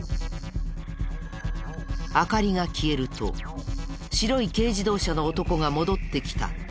明かりが消えると白い軽自動車の男が戻ってきた。